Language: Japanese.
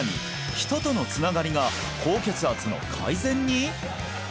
人とのつながりが高血圧の改善に！？